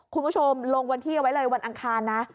คุณผู้ชมลงวันที่เอาไว้เลยวันอังคารนะ